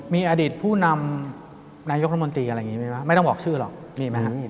มีอดีตผู้นำนายกรัฐมนตรีอะไรอย่างนี้ไหมไม่ต้องบอกชื่อหรอกมีไหมครับ